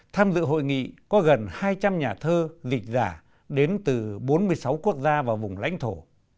tham dự hội nghị có gần hai trăm linh nhà thơ dịch giả đến từ bốn mươi sáu quốc gia và vùng lãnh thổ